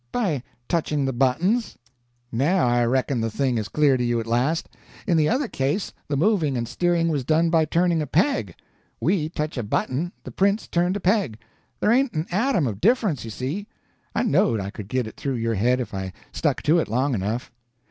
"By touching the buttons." "Now I reckon the thing is clear to you at last. In the other case the moving and steering was done by turning a peg. We touch a button, the prince turned a peg. There ain't an atom of difference, you see. I knowed I could git it through your head if I stuck to it long enough."